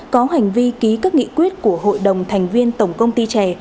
có hành vi ký các nghị quyết của hội đồng thành viên tổng công ty trẻ